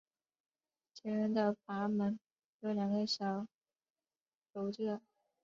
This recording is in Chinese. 前缘的阀门有两个小皱褶。